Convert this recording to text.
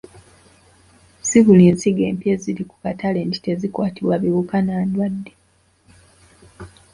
Si buli nsigo empya eziri ku katale nti tezikwatibwa biwuka na ndwadde.